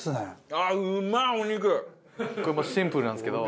シンプルなんですけど。